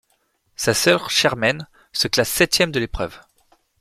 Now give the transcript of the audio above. Sa sœur Shermaine se classe septième de l'épreuve.